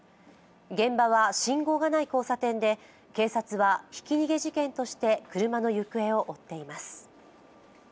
現場は信号がない交差点で、警察はひき逃げ事件として車の行方を追っています。